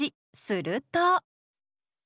すると。